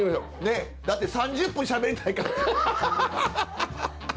だって３０分しゃべりたいから。